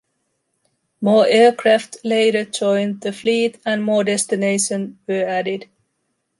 More aircraft later joined the fleet and more destination were added.